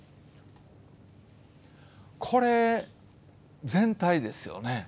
これ全体ですよね。